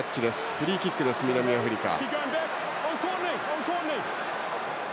フリーキックです、南アフリカ。